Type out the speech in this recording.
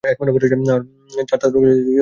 যার তা নয় সে লেডি নয়।